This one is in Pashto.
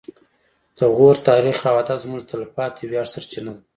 د غور تاریخ او ادب زموږ د تلپاتې ویاړ سرچینه ده